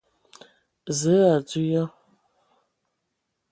Zǝə, o adzo ya ?